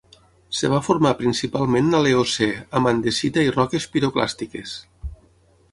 Es va formar principalment a l'Eocè amb andesita i roques piroclàstiques.